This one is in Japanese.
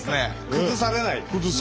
崩されない。